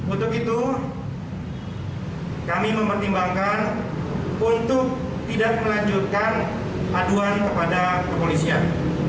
untuk itu kami mempertimbangkan untuk tidak melanjutkan aduan kepada kepolisian